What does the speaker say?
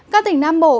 các tỉnh nam bộ